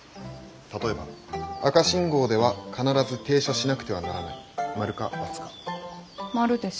例えば「赤信号では必ず停車しなくてはならない」○か×か。○です。×です。